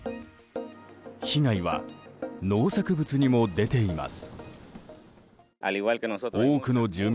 被害は、農作物にも出ています。